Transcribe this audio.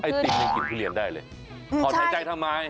ก็ไอติมยังกลิ่นทุเรียนได้เลยอ่อนใจใจทำไม